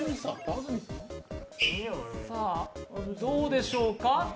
どうでしょうか？